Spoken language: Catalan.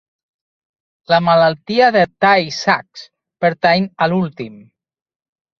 La malaltia de Tay-Sachs pertany a l'últim.